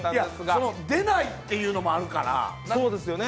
いや、出ないっていうのもあるから。